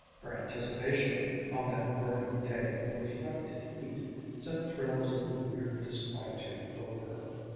Her anticipation of it on that burning day of reflected heat sent thrills of eager disquietude over her.